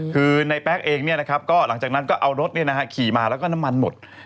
คือในแป๊กเองก็หลังจากนั้นก็เอารถขี่มาแล้วก็น้ำมันหมด